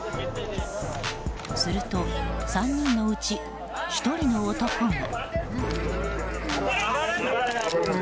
すると、３人のうち１人の男が。